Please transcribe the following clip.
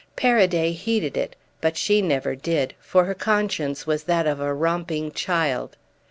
Paraday heeded it, but she never did, for her conscience was that of a romping child.